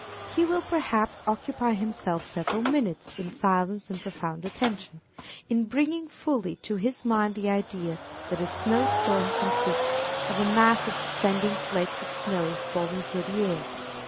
He will, perhaps, occupy himself several minutes in silence and profound attention, in bringing fully to his mind the idea that a snow storm consists of a mass of descending flakes of snow falling through the air.